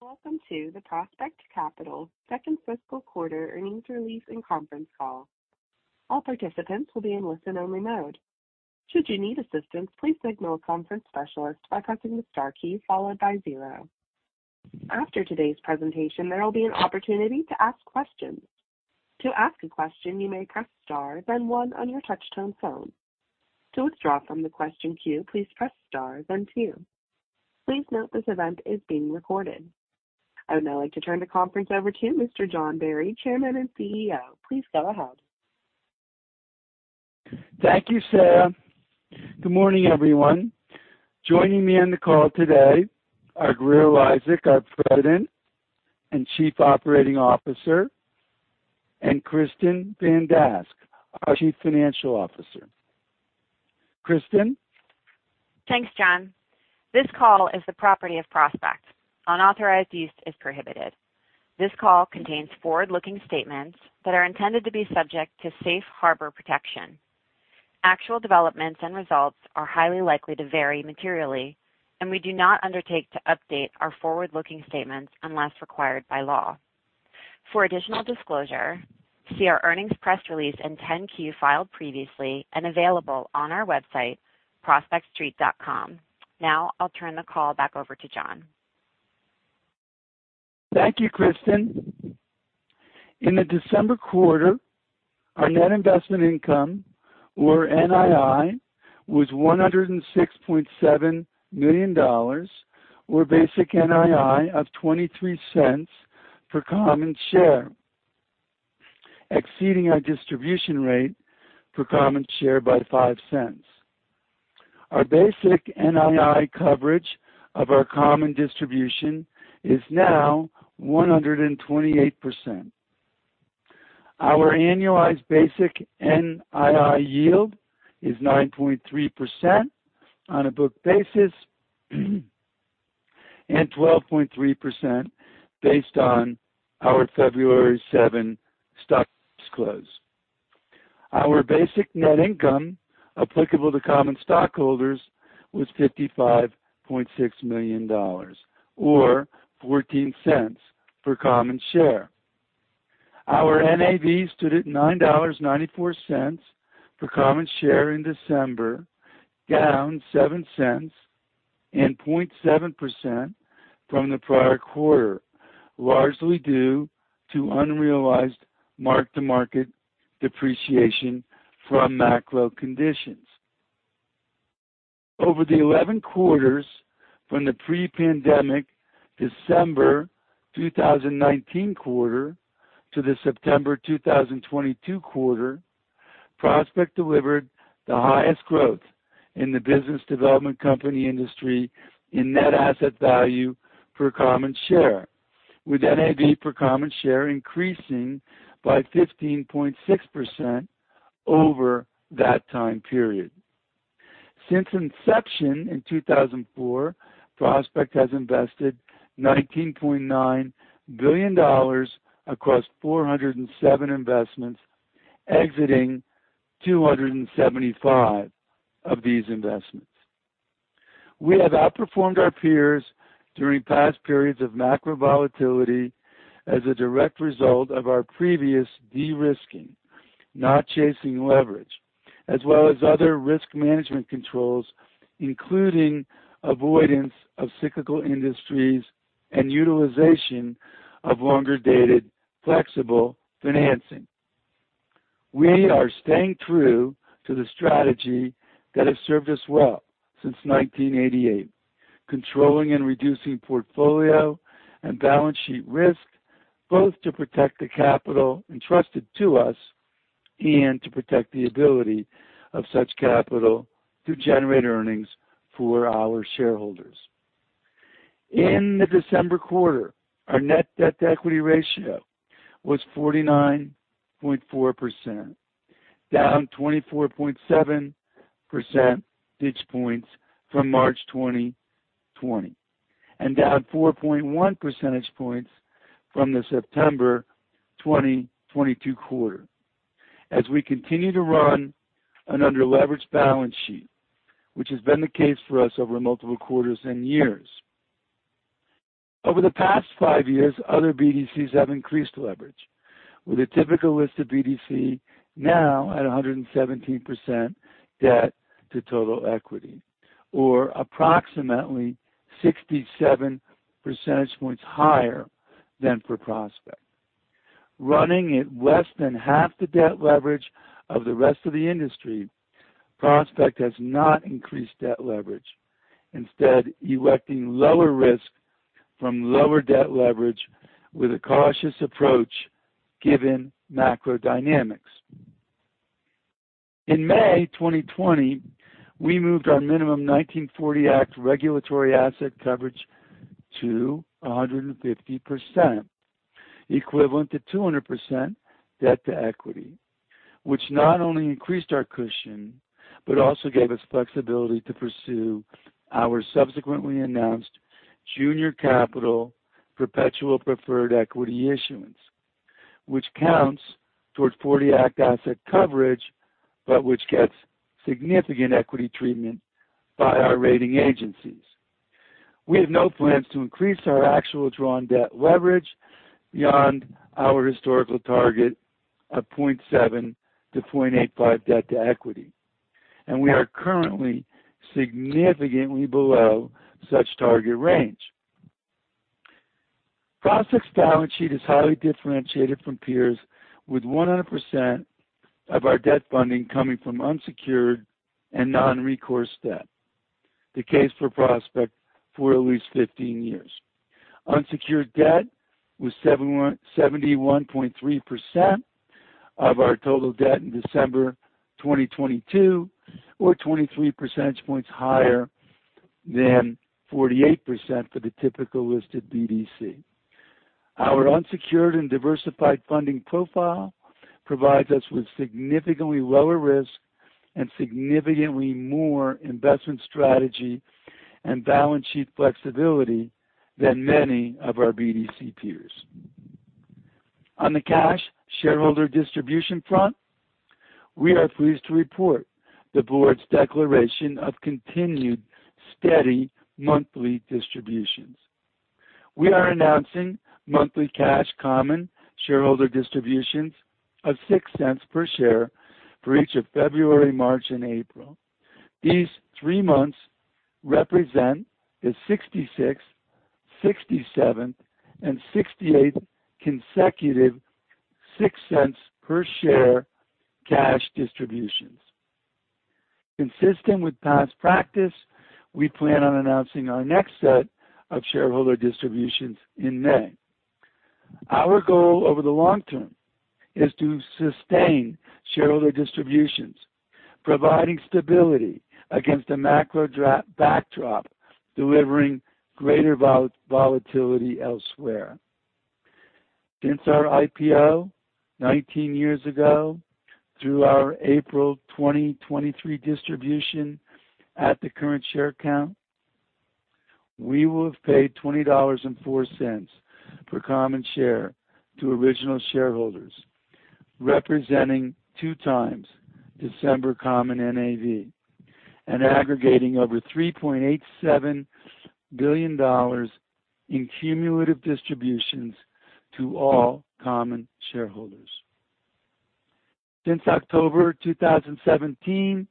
Welcome to the Prospect Capital second fiscal quarter earnings release and conference call. All participants will be in listen-only mode. Should you need assistance, please signal a conference specialist by pressing the star key followed by zero. After today's presentation, there will be an opportunity to ask questions. To ask a question, you may press Star then one on your touchtone phone. To withdraw from the question queue, please press star then two. Please note this event is being recorded. I would now like to turn the conference over to Mr. John Barry, Chairman and CEO. Please go ahead. Thank you, Sarah. Good morning, everyone. Joining me on the call today are Grier Eliasek, our President and Chief Operating Officer, and Kristin Van Dask, our Chief Financial Officer. Kristin. Thanks, John. This call is the property of Prospect. Unauthorized use is prohibited. This call contains forward-looking statements that are intended to be subject to safe harbor protection. Actual developments and results are highly likely to vary materially, and we do not undertake to update our forward-looking statements unless required by law. For additional disclosure, see our earnings press release and 10-Q filed previously and available on our website prospectstreet.com. Now I'll turn the call back over to John. Thank you, Kristin. In the December quarter, our net investment income, or NII, was $106.7 million or basic NII of $0.23 per common share, exceeding our distribution rate per common share by $0.05. Our basic NII coverage of our common distribution is now 128%. Our annualized basic NII yield is 9.3% on a book basis and 12.3% based on our February 7 stock close. Our basic net income applicable to common stockholders was $55.6 million, or $0.14 per common share. Our NAV stood at $9.94 per common share in December, down $0.07 and 0.7% from the prior quarter, largely due to unrealized mark-to-market depreciation from macro conditions. Over the 11 quarters from the pre-pandemic December 2019 quarter to the September 2022 quarter, Prospect delivered the highest growth in the business development company industry in net asset value per common share, with NAV per common share increasing by 15.6% over that time period. Since inception in 2004, Prospect has invested $19.9 billion across 407 investments, exiting 275 of these investments. We have outperformed our peers during past periods of macro volatility as a direct result of our previous de-risking, not chasing leverage, as well as other risk management controls, including avoidance of cyclical industries and utilization of longer-dated flexible financing. We are staying true to the strategy that has served us well since 1988, controlling and reducing portfolio and balance sheet risk, both to protect the capital entrusted to us and to protect the ability of such capital to generate earnings for our shareholders. In the December quarter, our net debt-to-equity ratio was 49.4%, down 24.7% basis points from March 2020, and down 4.1 percentage points from the September 2022 quarter. As we continue to run an under-leveraged balance sheet, which has been the case for us over multiple quarters and years. Over the past five years, other BDCs have increased leverage, with a typical list of BDC now at 117% debt to total equity, or approximately 67 percentage points higher than for Prospect. Running at less than half the debt leverage of the rest of the industry, Prospect has not increased debt leverage, instead electing lower risk from lower debt leverage with a cautious approach given macro dynamics. In May 2020, we moved our minimum 1940 Act regulatory asset coverage to 150%, equivalent to 200% debt to equity, which not only increased our cushion, but also gave us flexibility to pursue our subsequently announced junior capital perpetual preferred equity issuance. Which counts towards '40 Act asset coverage, but which gets significant equity treatment by our rating agencies. We have no plans to increase our actual drawn debt leverage beyond our historical target of 0.7-0.85 debt to equity, and we are currently significantly below such target range. Prospect's balance sheet is highly differentiated from peers with 100% of our debt funding coming from unsecured and non-recourse debt. The case for Prospect for at least 15 years. Unsecured debt was 71.3% of our total debt in December 2022, or 23 percentage points higher than 48% for the typical listed BDC. Our unsecured and diversified funding profile provides us with significantly lower risk and significantly more investment strategy and balance sheet flexibility than many of our BDC peers. On the cash shareholder distribution front, we are pleased to report the board's declaration of continued steady monthly distributions. We are announcing monthly cash common shareholder distributions of $0.06 per share for each of February, March and April. These three months represent the 66th, 67th and 68th consecutive $0.06 per share cash distributions. Consistent with past practice, we plan on announcing our next set of shareholder distributions in May. Our goal over the long term is to sustain shareholder distributions, providing stability against a macro backdrop, delivering greater volatility elsewhere. Since our IPO 19 years ago through our April 2023 distribution at the current share count, we will have paid $20.04 per common share to original shareholders, representing 2x December common NAV and aggregating over $3.87 billion in cumulative distributions to all common shareholders. Since October 2017,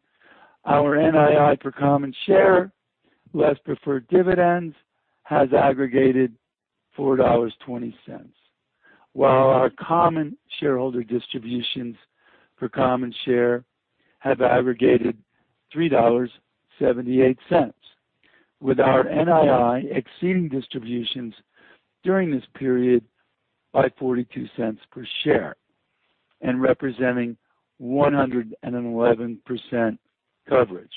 our NII per common share, less preferred dividends, has aggregated $4.20, while our common shareholder distributions per common share have aggregated $3.78, with our NII exceeding distributions during this period by $0.42 per share and representing 111% coverage.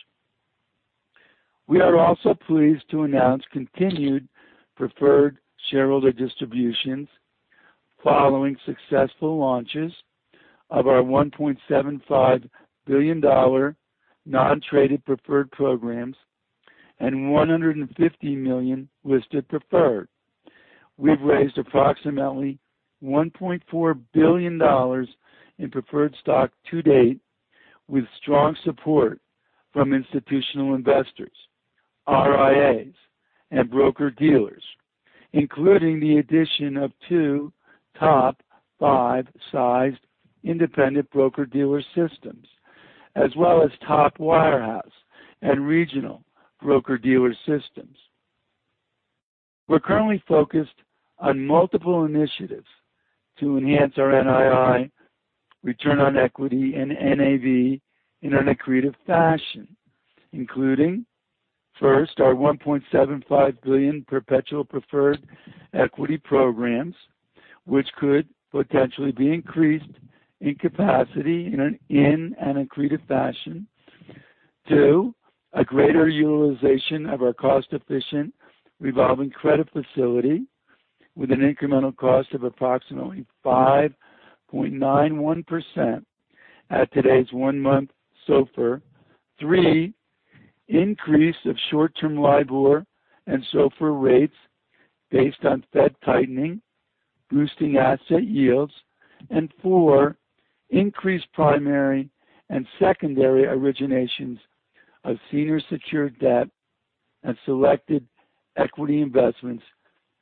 We are also pleased to announce continued preferred shareholder distributions following successful launches of our $1.75 billion non-traded preferred programs and $150 million listed preferred. We've raised approximately $1.4 billion in preferred stock to date with strong support from institutional investors, RIAs and broker-dealers, including the addition of two top five-sized independent broker-dealer systems as well as top wirehouse and regional broker-dealer systems. We're currently focused on multiple initiatives to enhance our NII return on equity and NAV in an accretive fashion, including, first, our $1.75 billion perpetual preferred equity programs, which could potentially be increased in capacity in an accretive fashion. Two, a greater utilization of our cost-efficient revolving credit facility with an incremental cost of approximately 5.91% at today's one-month SOFR. Three, increase of short-term LIBOR and SOFR rates based on Fed tightening, boosting asset yields. Four, increased primary and secondary originations of senior secured debt and selected equity investments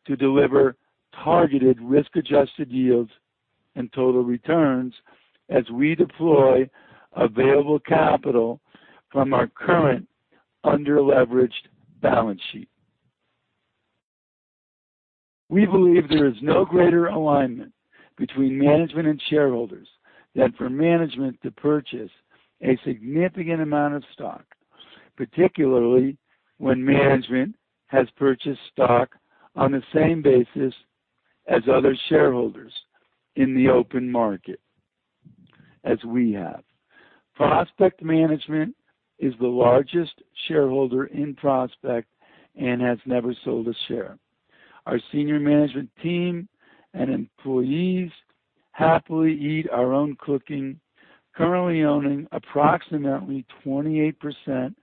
to deliver targeted risk-adjusted yields and total returns as we deploy available capital from our current under-leveraged balance sheet. We believe there is no greater alignment between management and shareholders than for management to purchase a significant amount of stock, particularly when management has purchased stock on the same basis as other shareholders in the open market as we have. Prospect Management is the largest shareholder in Prospect and has never sold a share. Our senior management team and employees happily eat our own cooking, currently owning approximately 28%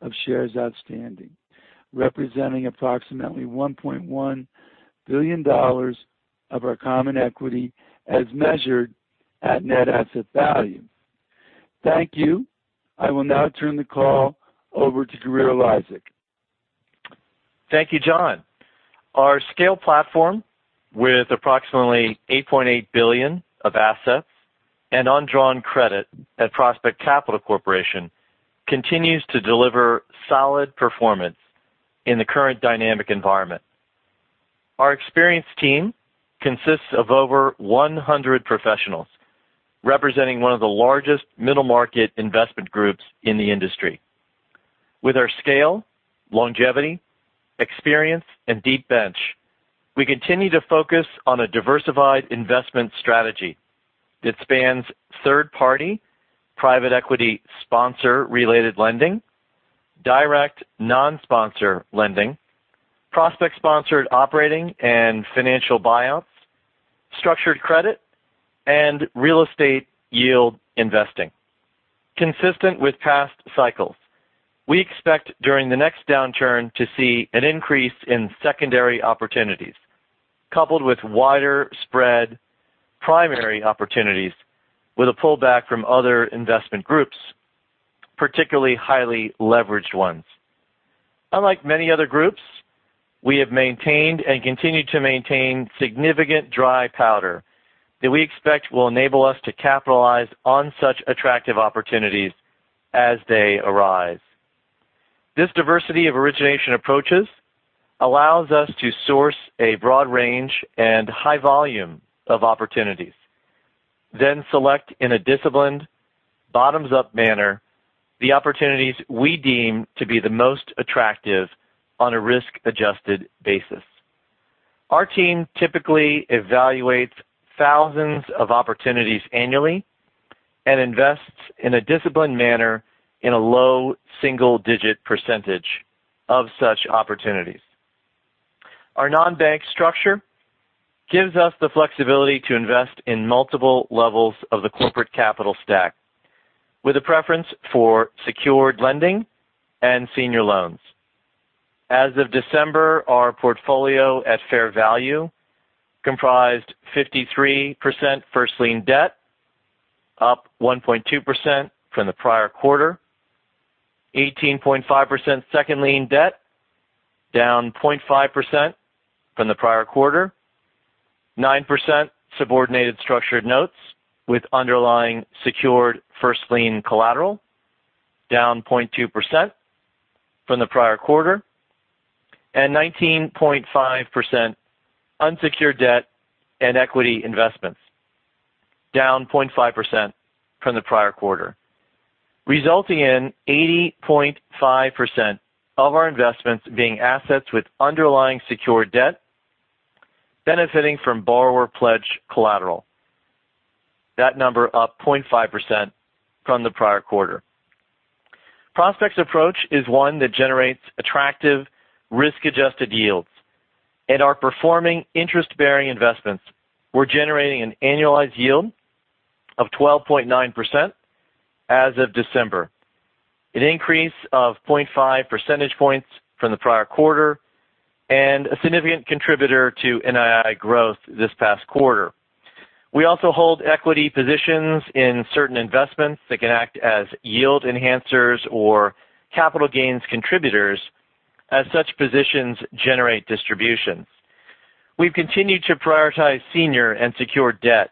of shares outstanding. Representing approximately $1.1 billion of our common equity as measured at net asset value. Thank you. I will now turn the call over to Grier Eliasek. Thank you, John. Our scale platform with approximately $8.8 billion of assets and undrawn credit at Prospect Capital Corporation continues to deliver solid performance in the current dynamic environment. Our experienced team consists of over 100 professionals, representing one of the largest middle-market investment groups in the industry. With our scale, longevity, experience and deep bench, we continue to focus on a diversified investment strategy that spans third party, private equity sponsor-related lending, direct non-sponsor lending, Prospect-sponsored operating and financial buyouts, structured credit and real estate yield investing. Consistent with past cycles, we expect during the next downturn to see an increase in secondary opportunities, coupled with wider spread primary opportunities with a pullback from other investment groups, particularly highly leveraged ones. Unlike many other groups, we have maintained and continue to maintain significant dry powder that we expect will enable us to capitalize on such attractive opportunities as they arise. This diversity of origination approaches allows us to source a broad range and high volume of opportunities, select in a disciplined bottoms-up manner the opportunities we deem to be the most attractive on a risk-adjusted basis. Our team typically evaluates thousands of opportunities annually and invests in a disciplined manner in a low single-digit percentage of such opportunities. Our non-bank structure gives us the flexibility to invest in multiple levels of the corporate capital stack with a preference for secured lending and senior loans. As of December, our portfolio at fair value comprised 53% first lien debt, up 1.2% from the prior quarter. 18.5% second lien debt, down 0.5% from the prior quarter. 9% subordinated structured notes with underlying secured first lien collateral, down 0.2% from the prior quarter. 19.5% unsecured debt and equity investments, down 0.5% from the prior quarter, resulting in 80.5% of our investments being assets with underlying secured debt benefiting from borrower pledge collateral. That number up 0.5% from the prior quarter. Prospect's approach is one that generates attractive risk-adjusted yields. In our performing interest-bearing investments, we're generating an annualized yield of 12.9% as of December, an increase of 0.5 percentage points from the prior quarter and a significant contributor to NII growth this past quarter. We also hold equity positions in certain investments that can act as yield enhancers or capital gains contributors as such positions generate distributions. We've continued to prioritize senior and secured debt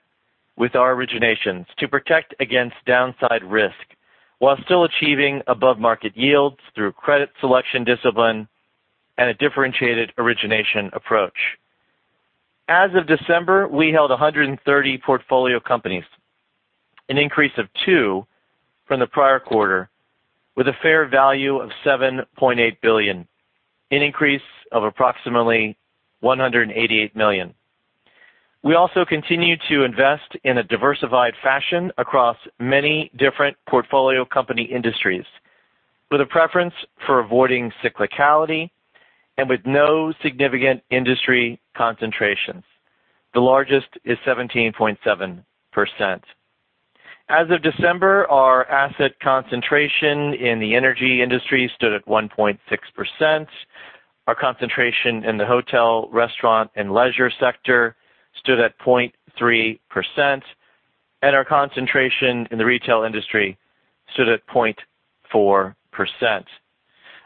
with our originations to protect against downside risk while still achieving above-market yields through credit selection discipline and a differentiated origination approach. As of December, we held 130 portfolio companies, an increase of two from the prior quarter, with a fair value of $7.8 billion, an increase of approximately $188 million. We also continue to invest in a diversified fashion across many different portfolio company industries with a preference for avoiding cyclicality and with no significant industry concentrations. The largest is 17.7%. As of December, our asset concentration in the energy industry stood at 1.6%. Our concentration in the hotel, restaurant, and leisure sector stood at 0.3%. Our concentration in the retail industry stood at 0.4%.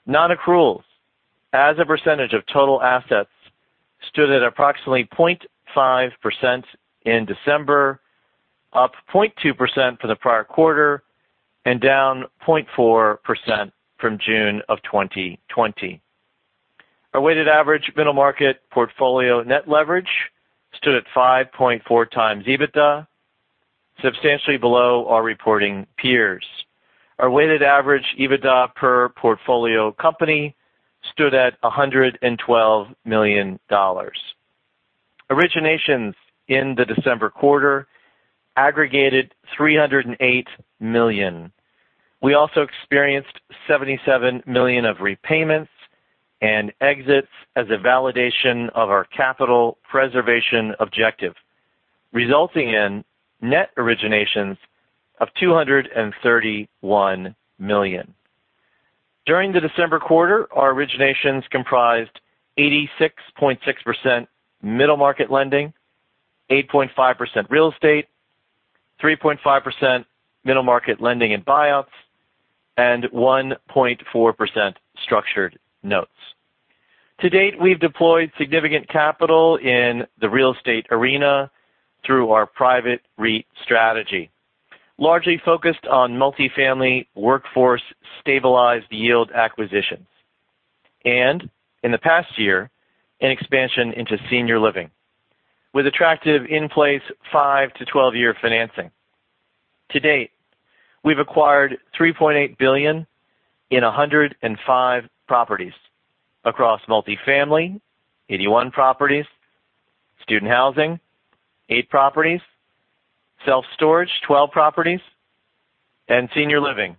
Non-accruals as a percentage of total assets stood at approximately 0.5% in December, up 0.2% for the prior quarter and down 0.4% from June of 2020. Our weighted average middle market portfolio net leverage stood at 5.4x EBITDA, substantially below our reporting peers. Our weighted average EBITDA per portfolio company stood at $112 million. Originations in the December quarter aggregated $308 million. We also experienced $77 million of repayments and exits as a validation of our capital preservation objective. Resulting in net originations of $231 million. During the December quarter, our originations comprised 86.6% middle market lending, 8.5% real estate, 3.5% middle market lending and buyouts, and 1.4% structured notes. To date, we've deployed significant capital in the real estate arena through our private REIT strategy, largely focused on multifamily workforce stabilized yield acquisitions. In the past year, an expansion into senior living with attractive in-place five to 12-year financing. To date, we've acquired $3.8 billion in 105 properties across multifamily, 81 properties, student housing, eight properties, self-storage, 12 properties, and senior living,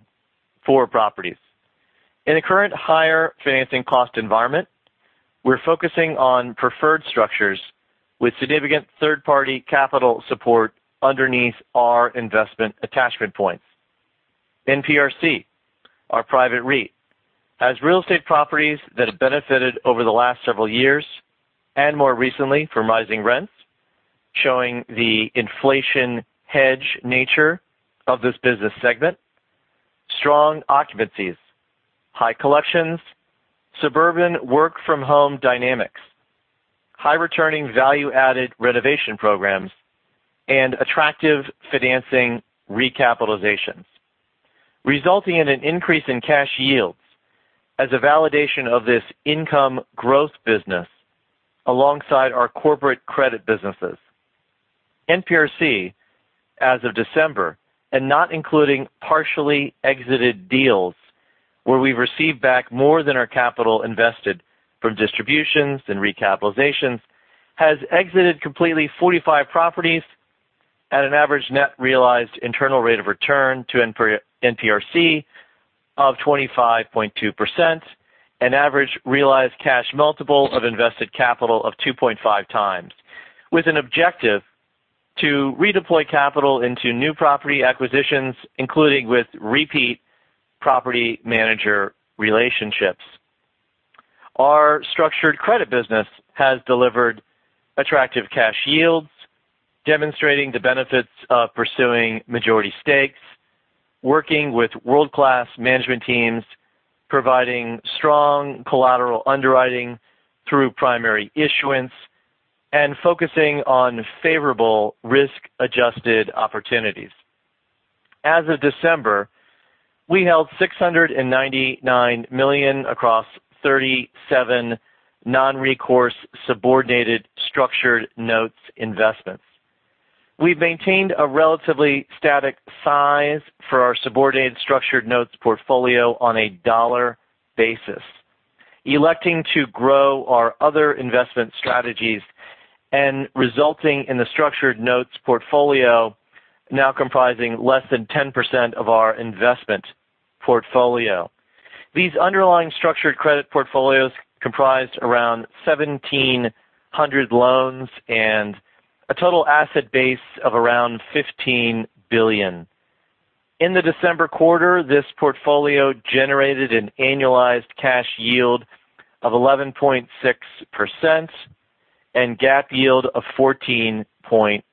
four properties. In the current higher financing cost environment, we're focusing on preferred structures with significant third-party capital support underneath our investment attachment points. NPRC, our private REIT, has real estate properties that have benefited over the last several years and more recently from rising rents, showing the inflation hedge nature of this business segment. Strong occupancies, high collections, suburban work-from-home dynamics, high returning value-added renovation programs, and attractive financing recapitalizations, resulting in an increase in cash yields as a validation of this income growth business alongside our corporate credit businesses. NPRC, as of December, and not including partially exited deals where we've received back more than our capital invested from distributions and recapitalizations, has exited completely 45 properties at an average net realized internal rate of return to NPRC of 25.2% and average realized cash multiple of invested capital of 2.5x, with an objective to redeploy capital into new property acquisitions, including with repeat property manager relationships. Our structured credit business has delivered attractive cash yields, demonstrating the benefits of pursuing majority stakes, working with world-class management teams, providing strong collateral underwriting through primary issuance, and focusing on favorable risk-adjusted opportunities. As of December, we held $699 million across 37 non-recourse subordinated structured notes investments. We've maintained a relatively static size for our subordinated structured notes portfolio on a dollar basis, electing to grow our other investment strategies and resulting in the structured notes portfolio now comprising less than 10% of our investment portfolio. These underlying structured credit portfolios comprised around 1,700 loans and a total asset base of around $15 billion. In the December quarter, this portfolio generated an annualized cash yield of 11.6% and GAAP yield of 14.9%.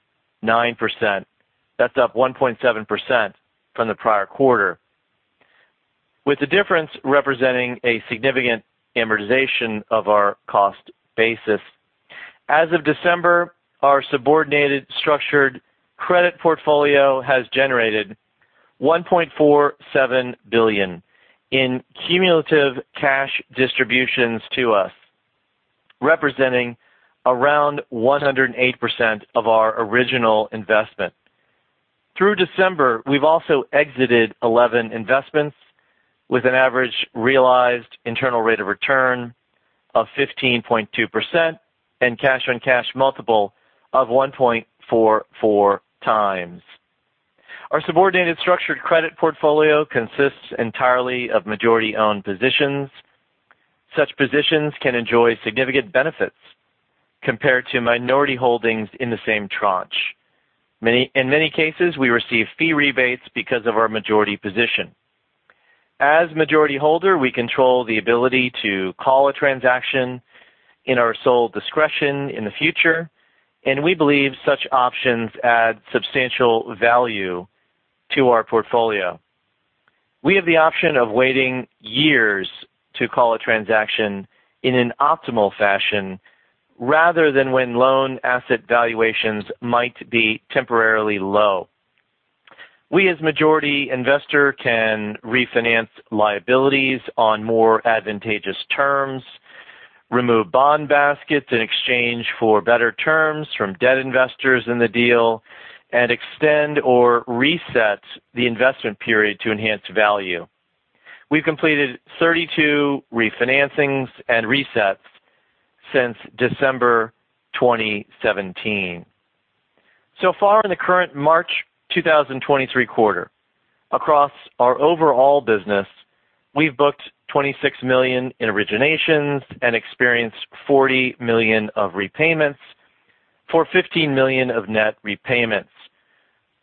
That's up 1.7% from the prior quarter. With the difference representing a significant amortization of our cost basis. As of December, our subordinated structured credit portfolio has generated $1.47 billion in cumulative cash distributions to us, representing around 108% of our original investment. Through December, we've also exited 11 investments with an average realized internal rate of return of 15.2% and cash-on-cash multiple of 1.44x. Our subordinated structured credit portfolio consists entirely of majority-owned positions. Such positions can enjoy significant benefits compared to minority holdings in the same tranche. In many cases, we receive fee rebates because of our majority position. As majority holder, we control the ability to call a transaction in our sole discretion in the future, and we believe such options add substantial value to our portfolio. We have the option of waiting years to call a transaction in an optimal fashion rather than when loan asset valuations might be temporarily low. We, as majority investor, can refinance liabilities on more advantageous terms, remove bond baskets in exchange for better terms from debt investors in the deal, and extend or reset the investment period to enhance value. We've completed 32 refinancings and resets since December 2017. Far in the current March 2023 quarter, across our overall business-We've booked $26 million in originations and experienced $40 million of repayments for $15 million of net repayments.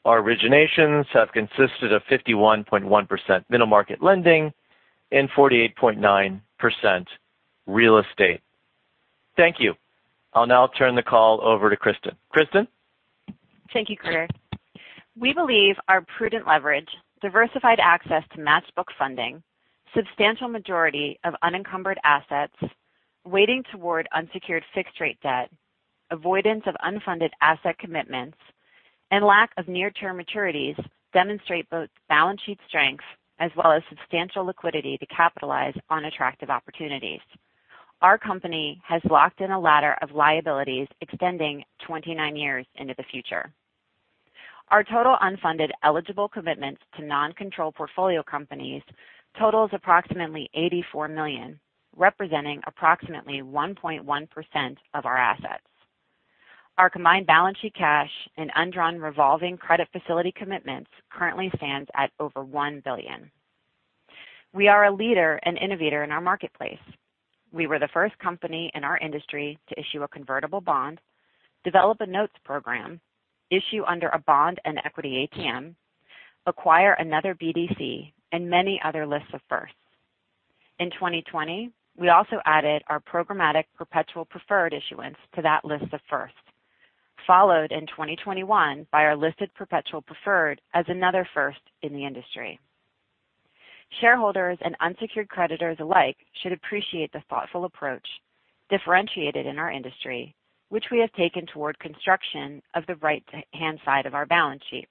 Our originations have consisted of 51.1% middle market lending and 48.9% real estate. Thank you. I'll now turn the call over to Kristin. Kristin. Thank you, Grier. We believe our prudent leverage, diversified access to match book funding, substantial majority of unencumbered assets, weighting toward unsecured fixed-rate debt, avoidance of unfunded asset commitments, and lack of near-term maturities demonstrate both balance sheet strengths as well as substantial liquidity to capitalize on attractive opportunities. Our company has locked in a ladder of liabilities extending 29 years into the future. Our total unfunded eligible commitments to non-control portfolio companies totals approximately $84 million, representing approximately 1.1% of our assets. Our combined balance sheet cash and undrawn revolving credit facility commitments currently stands at over $1 billion. We are a leader and innovator in our marketplace. We were the first company in our industry to issue a convertible bond, develop a notes program, issue under a bond and equity ATM, acquire another BDC, and many other lists of firsts. In 2020, we also added our programmatic perpetual preferred issuance to that list of firsts, followed in 2021 by our listed perpetual preferred as another first in the industry. Shareholders and unsecured creditors alike should appreciate the thoughtful approach differentiated in our industry, which we have taken toward construction of the right hand side of our balance sheet.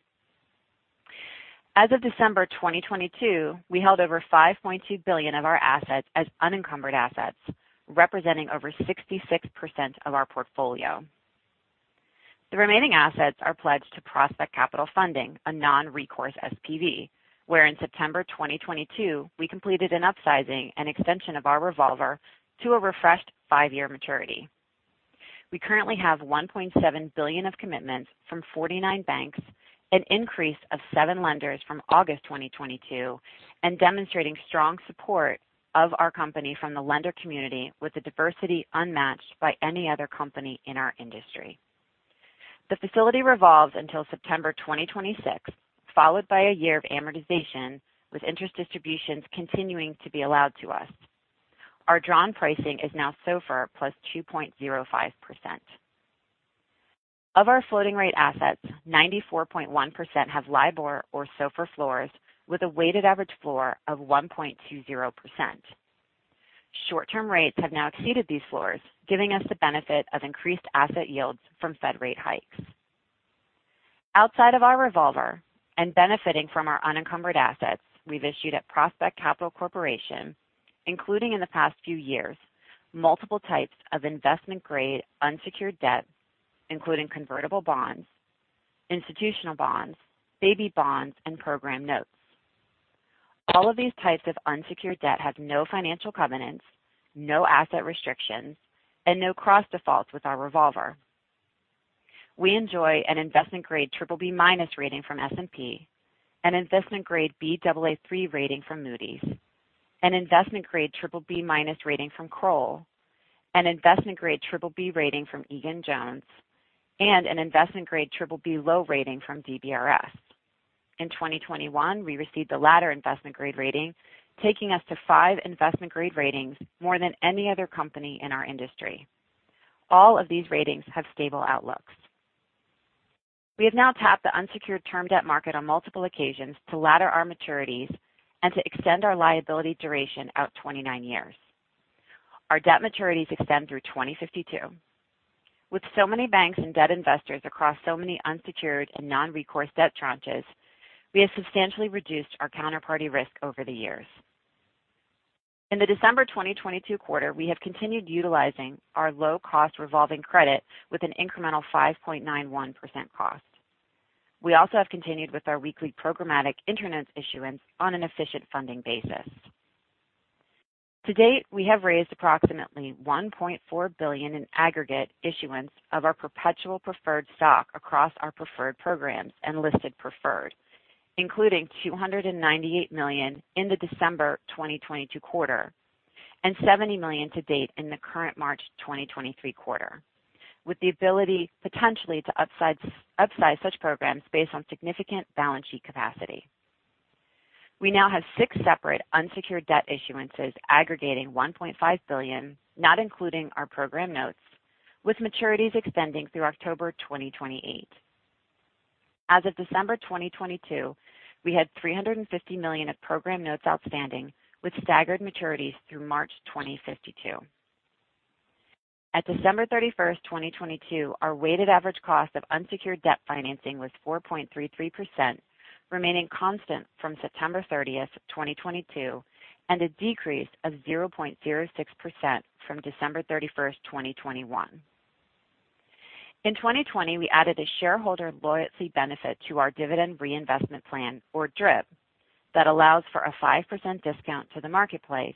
As of December 2022, we held over $5.2 billion of our assets as unencumbered assets, representing over 66% of our portfolio. The remaining assets are pledged to Prospect Capital Funding, a non-recourse SPV, where in September 2022, we completed an upsizing and extension of our revolver to a refreshed five-year maturity. We currently have $1.7 billion of commitments from 49 banks, an increase of seven lenders from August 2022, demonstrating strong support of our company from the lender community with a diversity unmatched by any other company in our industry. The facility revolves until September 2026, followed by a year of amortization, with interest distributions continuing to be allowed to us. Our drawn pricing is now SOFR +2.05%. Of our floating rate assets, 94.1% have LIBOR or SOFR floors with a weighted average floor of 1.20%. Short-term rates have now exceeded these floors, giving us the benefit of increased asset yields from Fed rate hikes. Outside of our revolver and benefiting from our unencumbered assets, we've issued at Prospect Capital Corporation, including in the past few years, multiple types of investment-grade unsecured debt, including convertible bonds, institutional bonds, baby bonds, and program notes. All of these types of unsecured debt have no financial covenants, no asset restrictions, and no cross defaults with our revolver. We enjoy an investment-grade BBB- rating from S&P, an investment-grade Baa3 rating from Moody's, an investment-grade BBB- rating from Kroll, an investment-grade BBB rating from Egan-Jones, and an investment-grade BBB (low) rating from DBRS. In 2021, we received the latter investment-grade rating, taking us to five investment-grade ratings, more than any other company in our industry. All of these ratings have stable outlooks. We have now tapped the unsecured term debt market on multiple occasions to ladder our maturities and to extend our liability duration out 29 years. Our debt maturities extend through 2052. With so many banks and debt investors across so many unsecured and non-recourse debt tranches, we have substantially reduced our counterparty risk over the years. In the December 2022 quarter, we have continued utilizing our low-cost revolving credit with an incremental 5.91% cost. We also have continued with our weekly programmatic InterNotes issuance on an efficient funding basis. To date, we have raised approximately $1.4 billion in aggregate issuance of our perpetual preferred stock across our preferred programs and listed preferred, including $298 million in the December 2022 quarter and $70 million to date in the current March 2023 quarter, with the ability potentially to upsize such programs based on significant balance sheet capacity. We now have six separate unsecured debt issuances aggregating $1.5 billion, not including our program notes, with maturities extending through October 2028. As of December 2022, we had $350 million of program notes outstanding, with staggered maturities through March 2052. At December 31st, 2022, our weighted average cost of unsecured debt financing was 4.33%, remaining constant from September 30th, 2022, and a decrease of 0.06% from December 31st, 2021. In 2020, we added a shareholder loyalty benefit to our dividend reinvestment plan, or DRIP, that allows for a 5% discount to the market price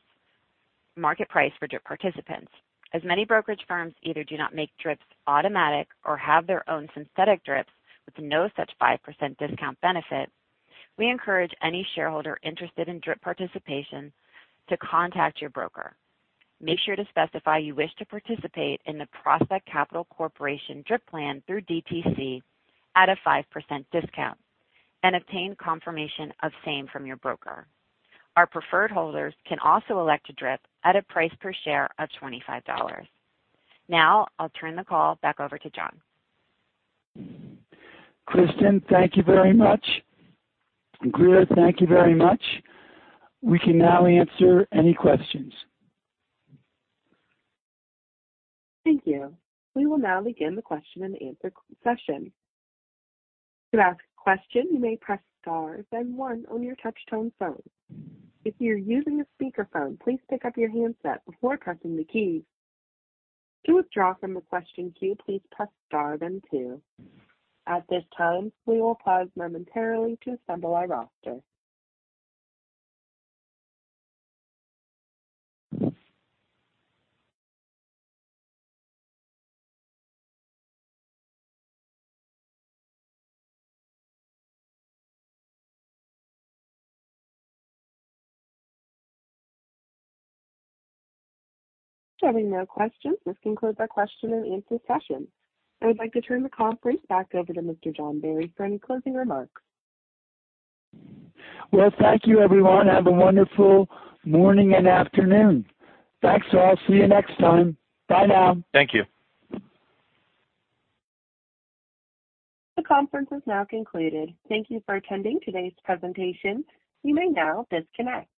for DRIP participants. As many brokerage firms either do not make DRIPs automatic or have their own synthetic DRIPs with no such 5% discount benefit, we encourage any shareholder interested in DRIP participation to contact your broker. Make sure to specify you wish to participate in the Prospect Capital Corporation DRIP plan through DTC at a 5% discount and obtain confirmation of same from your broker. Our preferred holders can also elect a DRIP at a price per share of $25. I'll turn the call back over to John. Kristin, thank you very much. Grier, thank you very much. We can now answer any questions. Thank you. We will now begin the question and answer session. To ask a question, you may press star then one on your touch tone phone. If you're using a speakerphone, please pick up your handset before pressing the keys. To withdraw from the question queue, please press star then two. At this time, we will pause momentarily to assemble our roster. Having no questions, this concludes our question and answer session. I would like to turn the conference back over to Mr. John Barry for any closing remarks. Well, thank you everyone. Have a wonderful moring and afternoon. Thanks all. See you next time. Bye now. Thank you. The conference is now concluded. Thank Thank you for attending today's presentation. You may now disconnect.